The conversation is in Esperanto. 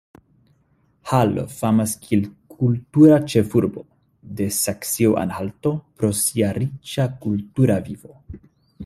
Halle famas kiel "kultura ĉefurbo" de Saksio-Anhalto pro sia riĉa kultura vivo.